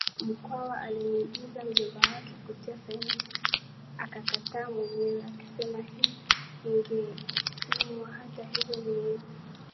Mkwawa alimwagiza mjomba wake kutia sahihi akakataa mwenyewe akisema hii ingemwuaHata hivyo miezi